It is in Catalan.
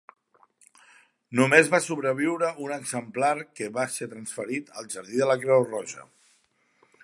Només va sobreviure un exemplar que va ser transferit al jardí de la Creu Roja.